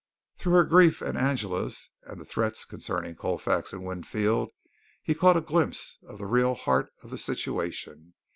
Through her grief and Angela's and the threats concerning Colfax and Winfield, he caught a glimpse of the real heart of the situation.